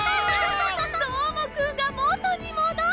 どーもくんがもとにもどった！